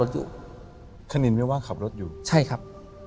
ถูกต้องไหมครับถูกต้องไหมครับ